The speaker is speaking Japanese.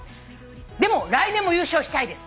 「でも来年も優勝したいです」